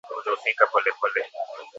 Kudhoofika polepole